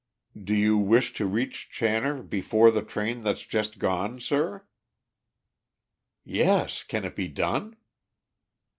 "Did you wish to reach Channor before the train that's just gone, sir?" "Yes. Can it be done?"